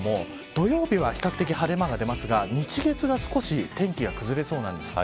土曜日は比較的晴れ間が出ますが日、月が少し天気が崩れそうなんです。